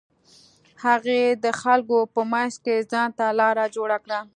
هغې د خلکو په منځ کښې ځان ته لاره جوړه کړه.